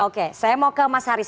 oke saya mau ke mas haris